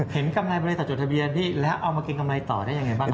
เห็นกำไรบริษัทจุดทะเบียนดีแล้วเอามาเก็นกำไรต่อได้อย่างไรบ้างครับ